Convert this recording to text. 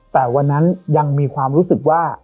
แต่วันนั้นยังมีความรู้สึกว่า